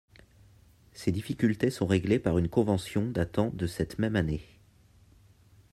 Ces difficultés sont réglées par une convention datant de cette même année.